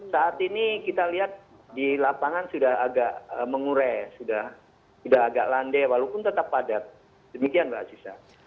saat ini kita lihat di lapangan sudah agak mengurai sudah agak landai walaupun tetap padat demikian mbak aziza